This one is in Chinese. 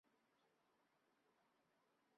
郑州大学政治系政治专业毕业。